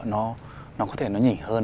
nó có thể nó nhỉ hơn